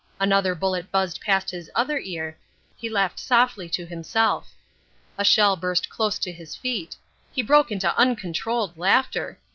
Another bullet buzzed past his other ear. He laughed softly to himself. A shell burst close to his feet. He broke into uncontrolled laughter.